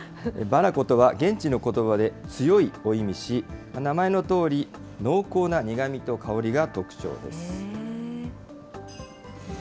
バラコとは、現地のことばで強いを意味し、名前のとおり、濃厚な苦みと香りが特徴です。